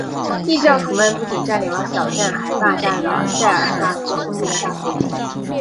异教徒们不仅占领了小镇还霸占了塞尔瓦托兄弟的大房子。